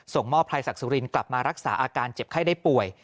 หม้อภัยศักดิสุรินกลับมารักษาอาการเจ็บไข้ได้ป่วย